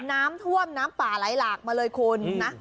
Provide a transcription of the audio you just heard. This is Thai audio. น้ำท่วมน้ำป่าไหลหลากมาเลยคุณนะ